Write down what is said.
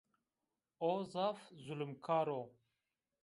O zaf zulmkar o